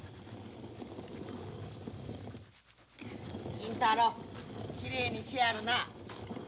金太郎きれいにしやるな。